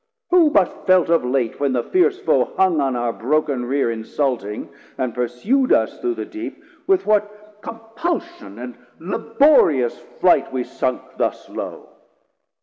Who but felt of late When the fierce Foe hung on our brok'n Rear Insulting, and pursu'd us through the Deep, With what compulsion and laborious flight 80 We sunk thus low?